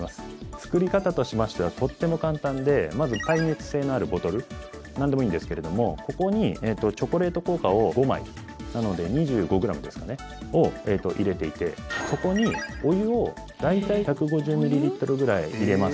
作り方としましてはとっても簡単でまず耐熱性のあるボトルなんでもいいんですけれどもここにチョコレート効果を５枚なので２５ｇを入れていてそこにお湯を大体１５０ミリリットルぐらい入れます。